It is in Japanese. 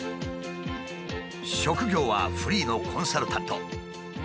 職業はフリーのコンサルタント。